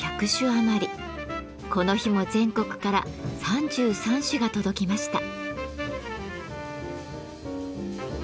この日も全国から３３種が届きました。